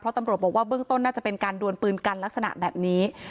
ตำรวจบอกว่าเบื้องต้นน่าจะเป็นการดวนปืนกันลักษณะแบบนี้